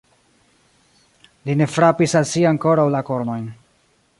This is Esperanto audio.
Li ne frapis al si ankoraŭ la kornojn.